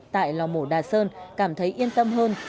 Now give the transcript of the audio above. tại lò mổ đà sơn cảm thấy yên tâm hơn